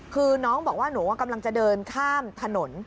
คือน้องบอกว่าหนูกำลังจะเดินข้ามถนน